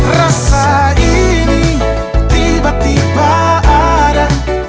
rasa ini tiba tiba ada